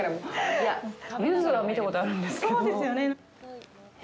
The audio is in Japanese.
いや、ユズは見たことあるんですけど。